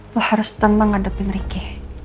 lo harus tenang ngadepin riki